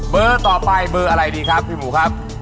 เบอร์ต่อไปเบอร์อะไรดีครับพี่หมูครับ